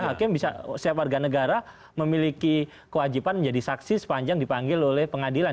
hakim bisa setiap warga negara memiliki kewajiban menjadi saksi sepanjang dipanggil oleh pengadilan